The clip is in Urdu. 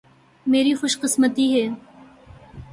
میری خوش قسمتی ہے۔